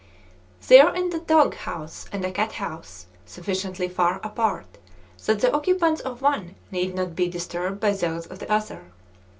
There is a dog house and a cat house, sufficiently far apart that the occupants of one need not be disturbed by those of the other.